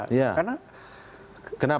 karena keperluannya kan belum terlihat